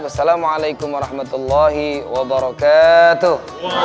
wassalamualaikum warahmatullahi wabarakatuh